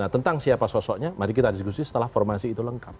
tentang siapa sosoknya mari kita diskusi setelah formasi itu lengkap